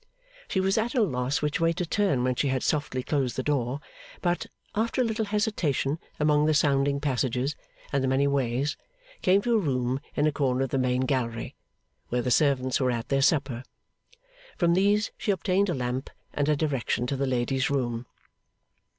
She was at a loss which way to turn when she had softly closed the door; but, after a little hesitation among the sounding passages and the many ways, came to a room in a corner of the main gallery, where the servants were at their supper. From these she obtained a lamp, and a direction to the lady's room.